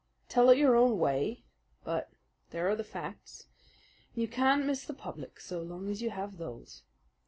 Tell it your own way; but there are the facts, and you can't miss the public so long as you have those.